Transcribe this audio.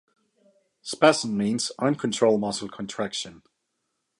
Spasm means "uncontrolled muscle contraction".